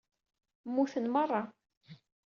Muten meṛṛa.